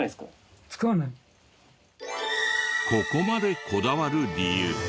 ここまでこだわる理由。